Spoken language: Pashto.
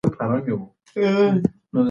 د ماشوم سالمه روزنه د دوامدار پرمختګ لامل کېږي.